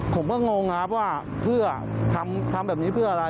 ผมก็งงเพราะว่าทำแบบนี้เพื่ออะไร